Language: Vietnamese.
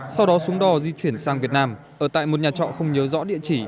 sau đó xuống đò di chuyển sang việt nam ở tại một nhà trọ không nhớ rõ địa chỉ